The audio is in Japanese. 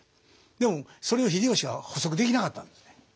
でもそれを秀吉は捕捉できなかったんですね。